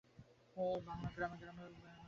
বাঙলার গ্রামে গ্রামে প্রায় হরিসভা আছে।